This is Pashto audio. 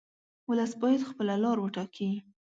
ولس باید خپله لار وټاکي.